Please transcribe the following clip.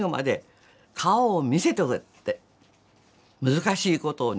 難しいことをね